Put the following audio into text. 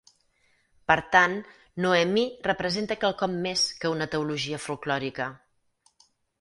Per tant, Noemí representa quelcom més que una teologia folklòrica.